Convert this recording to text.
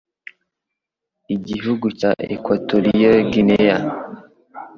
Igihugu cya Equatorial Guinea